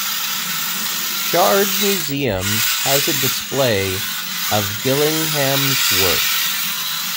Chard Museum has a display of Gillingham's work.